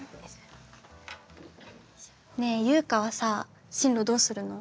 ねえゆうかはさ進路どうするの？